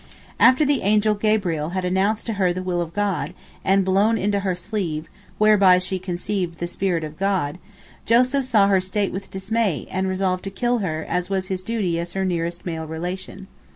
After the angel Gabriel had announced to her the will of God, and blown into her sleeve, whereby she conceived 'the Spirit of God,' Joseph saw her state with dismay, and resolved to kill her, as was his duty as her nearest male relation.